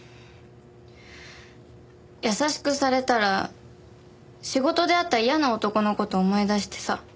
優しくされたら仕事で会った嫌な男の事思い出してさ。